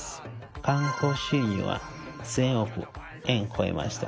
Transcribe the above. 観光収入は１０００億円を超えました。